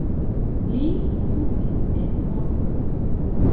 Li studis en Moskvo.